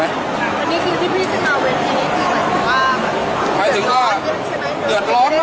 อันนี้ที่พี่สามารถเวลาให้พี่มีความสิ้นว่า